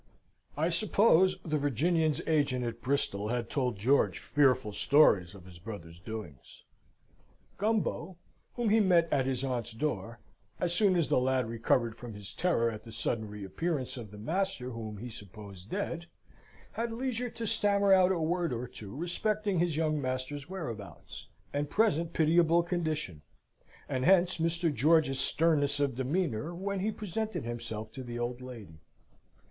I suppose the Virginians' agent at Bristol had told George fearful stories of his brother's doings. Gumbo, whom he met at his aunt's door, as soon as the lad recovered from his terror at the sudden reappearance of the master whom he supposed dead, had leisure to stammer out a word or two respecting his young master's whereabouts, and present pitiable condition; and hence Mr. George's sternness of demeanour when he presented himself to the old lady.